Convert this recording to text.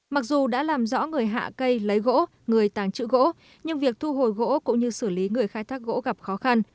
mặc dù đã làm rõ người hạ cây lấy gỗ người tàng trữ gỗ nhưng việc thu hồi gỗ cũng như xử lý người khai thác gỗ gặp khó khăn